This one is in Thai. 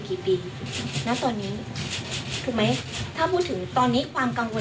กี่ปีณตอนนี้ถูกไหมถ้าพูดถึงตอนนี้ความกังวล